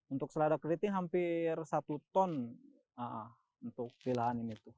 untuk seladak keriting hampir satu ton untuk pilihan ini tuh